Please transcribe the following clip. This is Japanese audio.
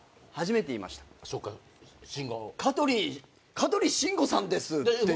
「香取慎吾さんです」っていうの。